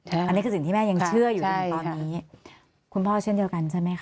อันนี้คือสิ่งที่แม่ยังเชื่ออยู่ในตอนนี้คุณพ่อเช่นเดียวกันใช่ไหมคะ